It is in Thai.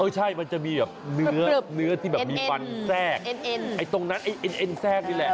เออใช่มันจะมีเนื้อที่แบบมีปันแซกเอนตรงนั้นเอนแซกนี่แหละ